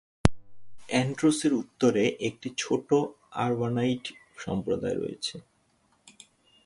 অ্যানড্রোসের উত্তরে একটি ছোট আর্ভানাইট সম্প্রদায় রয়েছে।